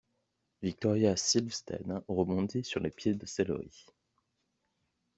Victoria Silvstedt rebondit sur les pieds de céleri.